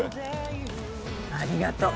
ありがとう。